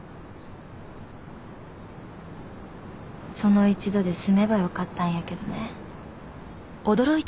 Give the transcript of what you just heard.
その一度で済めばよかったんやけどね